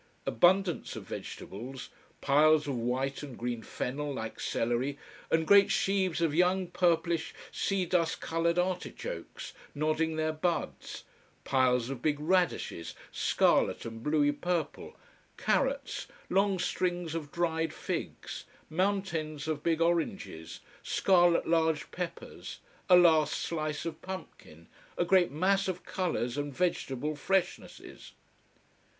Abundance of vegetables piles of white and green fennel, like celery, and great sheaves of young, purplish, sea dust colored artichokes, nodding their buds, piles of big radishes, scarlet and bluey purple, carrots, long strings of dried figs, mountains of big oranges, scarlet large peppers, a last slice of pumpkin, a great mass of colors and vegetable freshnesses.